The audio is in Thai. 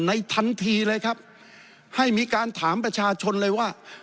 ทันทีเลยครับให้มีการถามประชาชนเลยว่า